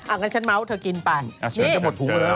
อันนั้นฉันเมาส์เธอกินไป